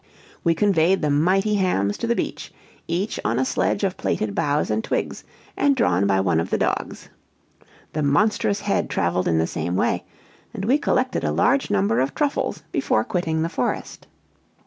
We conveyed the mighty hams to the beach, each on a sledge of plaited boughs and twigs, and drawn by one of the dogs. The monstrous head traveled in the same way, and we collected a large number of truffles before quitting the forest.